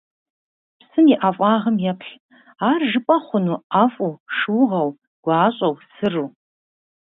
Псым и ӀэфӀагъым еплъ; ар жыпӀэ хъуну ӀэфӀу, шыугъэу, гуащӀэу, сыру?